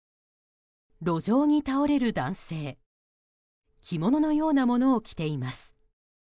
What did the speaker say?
路上に倒れる男性着物のようなものを着ています。